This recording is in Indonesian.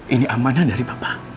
ini amanah dari papa